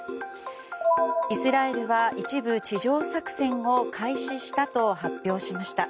イスラエルは一部地上作戦を開始したと発表しました。